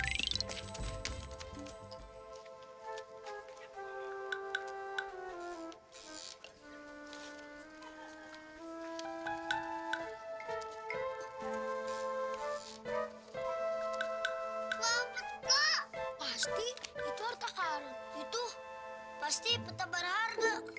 itu pasti peta barah harga